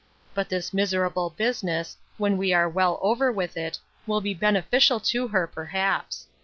But this miserable business, when we are well over with it, will be beneficial to her, perhaps.